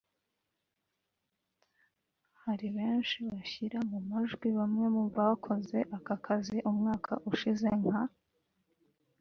hari benshi bashyira mu majwi bamwe mu bakoze aka kazi umwaka ushize nka